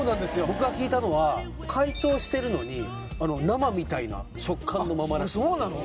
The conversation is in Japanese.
僕が聞いたのは解凍してるのに生みたいな食感のままらしい・そうなの？